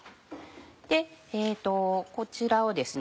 こちらをですね